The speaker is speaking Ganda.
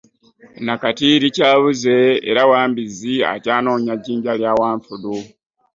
Na kati likyabuze era Wambizzi akyanoonya jjinja lya Wanfudu.